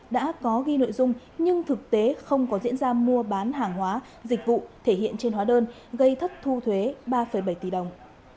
đã có ghi nội dung nhưng thực tế không có diễn ra mua bán hàng hóa dịch vụ thể hiện trên hóa đơn gây thất thu thuế ba bảy tỷ đồng